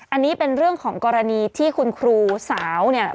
อันนี้เป็นเรื่องของกรณีที่คุณครูสาวเนี่ย